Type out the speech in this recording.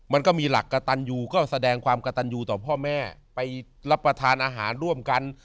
มันก็มีหลักกระตันยูก็แสดงความกระตันยูต่อพ่อแม่ไปรับประทานอาหารร่วมกัน